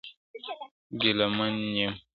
ګیله من یم -